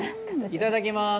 いただきます。